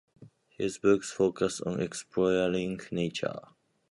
His books focus on exploring nature.